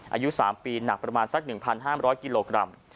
อายุ๓ปีหนักประมาณสัก๑๕๐๐กิโลกรัม